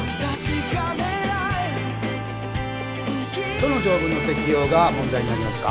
どの条文の適用が問題になりますか？